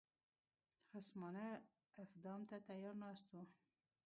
خصمانه افدام ته تیار ناست وو.